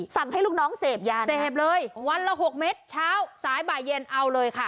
สั่งให้ลูกน้องเสพยาเสพเลยวันละ๖เม็ดเช้าสายบ่ายเย็นเอาเลยค่ะ